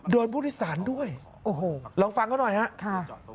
โดนบุติศาลด้วยโอ้โหลองฟังกันหน่อยฮะค่ะ